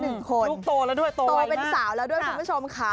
ลูกโตแล้วด้วยโตเป็นสาวแล้วด้วยคุณผู้ชมค่ะ